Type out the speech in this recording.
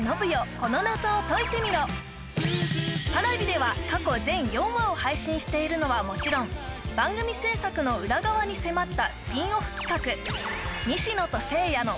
Ｐａｒａｖｉでは過去全４話を配信しているのはもちろん番組制作の裏側に迫ったスピンオフ企画「西野とせいやの！